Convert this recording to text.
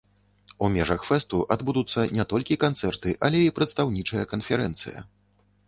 У межах фэсту адбудуцца не толькі канцэрты, але і прадстаўнічая канферэнцыя.